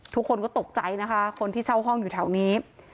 ทุกคนก็ตกใจนะคะคนที่เช่าห้องอยู่แถวนี้